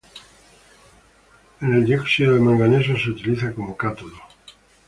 El dióxido de manganeso se utiliza como cátodo.